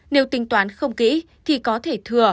nếu tính toán không kỹ thì có thể thừa